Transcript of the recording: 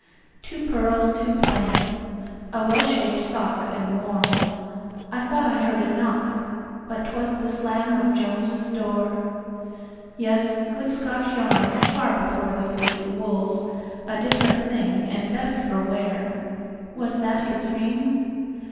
Two purl two plain. A well shaped sock, And warm. (I thought I heard a knock, But 'twas the slam of Jones's door.) Yes, good Scotch yarn is far before The fleecy wools a different thing, And best for wear. (Was that his ring?)